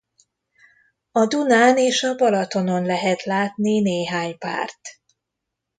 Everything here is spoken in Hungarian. A Dunán és a Balatonon lehet látni néhány párt.